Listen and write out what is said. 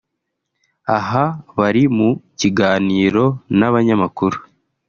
aha bari mu kiganiro n'abanyamakuru